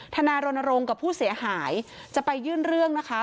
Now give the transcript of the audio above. ทนายรณรงค์กับผู้เสียหายจะไปยื่นเรื่องนะคะ